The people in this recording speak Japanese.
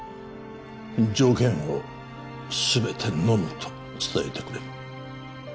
条件をすべてのむと伝えてくれ